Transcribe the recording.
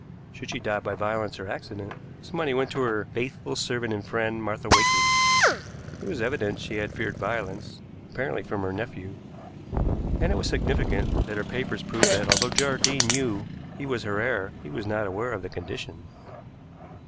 Should she die by violence or accident, this money went to her "faithful servant and friend, Martha Wakeling." It was evident she had feared violence apparently from her nephew and it was significant that her papers proved that, although Jardine knew he was her heir, he was not aware of the condition.